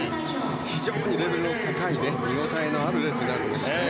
非常にレベルの高い見応えのあるレースになると思います。